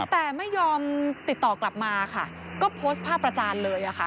แต่ไม่ยอมติดต่อกลับมาค่ะก็โพสต์ภาพประจานเลยค่ะ